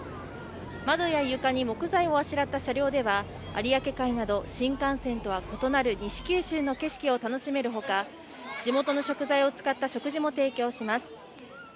窓や床に木材をあしらった車両では有明海など新幹線とは異なる西九州の景色を楽しめるほか地元の食材を使った食事も提供します